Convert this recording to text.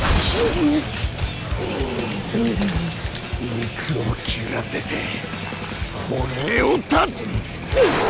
肉を切らせて骨を断つ！